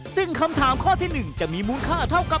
ซึ่งคำถามข้อที่๑จะมีมูลค่าเท่ากับ